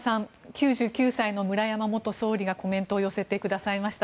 ９９歳の村山元総理がコメントを寄せてくださいました。